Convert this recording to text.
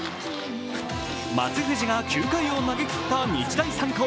松藤が９回を投げきった日大三高。